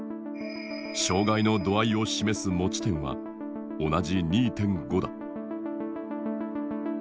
障害の度合いを示す持ち点は同じ２．５だ。